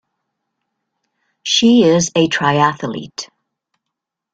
She is a triathlete.